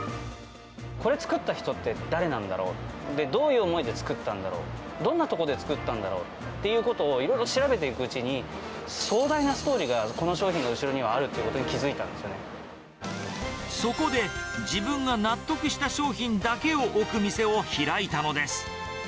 これ作った人って誰なんだろう、どういう思いで作ったんだろう、どんな所で作ったんだろうっていうことをいろいろ調べていくうちに、壮大なストーリーが、この商品の後ろにはあるってことに気付いたそこで、自分が納得した商品だけを置く店を開いたのです。